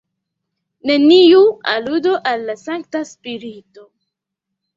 Neniu aludo al la Sankta Spirito.